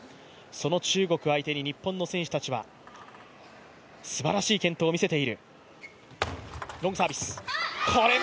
その中国相手に日本の選手たちはすばらしい健闘を見せている。